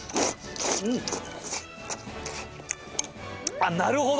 あっなるほど。